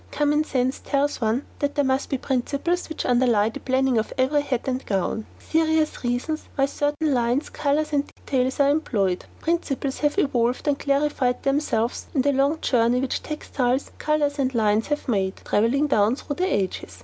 Common sense tells one that there must be principles which underlie the planning of every hat and gown, serious reasons why certain lines, colours and details are employed. Principles have evolved and clarified themselves in the long journey which textiles, colours and lines have made, travelling down through the ages.